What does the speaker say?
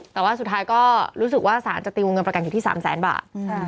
แต่ว่าสุดท้ายก็รู้สึกว่าสารจะตีวงเงินประกันอยู่ที่๓แสนบาท